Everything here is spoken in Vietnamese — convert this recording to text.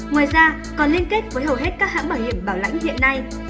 ngoài ra còn liên kết với hầu hết các hãng bảo hiểm bảo lãnh hiện nay